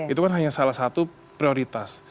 itu kan hanya salah satu prioritas